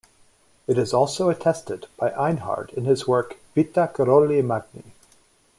It is also attested by Einhard in his work, Vita Karoli Magni.